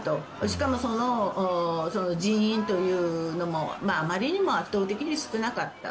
しかも、その人員というのもあまりにも圧倒的に少なかった。